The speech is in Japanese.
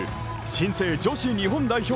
新生女子日本代表